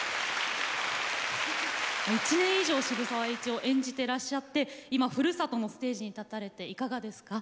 １年以上渋沢栄一を演じてらっしゃって今ふるさとのステージに立たれていかがですか？